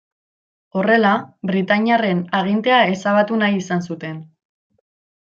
Horrela, britainiarren agintea ezabatu nahi izan zuten.